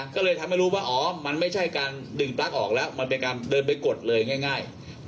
ก็เลยทำให้รู้ว่าอ๋อมันไม่ใช่การดึงปลั๊กออกแล้วมันเป็นการเดินไปกดเลยง่าย